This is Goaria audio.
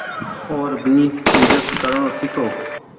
او ر ڀي ايزت ڪرڻو سيکو۔